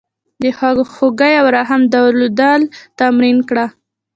د خواخوږۍ او رحم درلودل تمرین کړه.